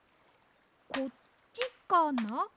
こっちかな？